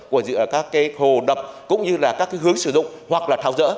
từ các cái hồ đập cũng như là các cái hướng sử dụng hoặc là thảo dỡ